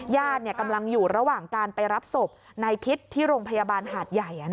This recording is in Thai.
ญาติกำลังอยู่ระหว่างการไปรับศพนายพิษที่โรงพยาบาลหาดใหญ่